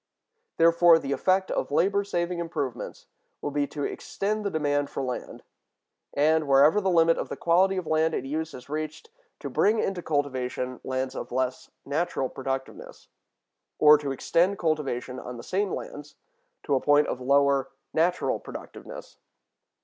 Therefore, the effect of labor saving improvements will be to extend the demand for land, and, wherever the limit of the quality of land in use is reached, to bring into cultivation lands of less natural productiveness, or to extend cultivation on the same lands to a point of lower natural productiveness.